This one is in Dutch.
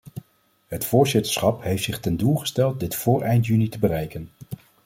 Het voorzitterschap heeft zich ten doel gesteld dit voor eind juni te bereiken.